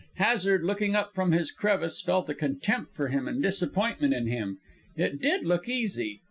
Hazard, looking up from his crevice, felt a contempt for him and disappointment in him. It did look easy.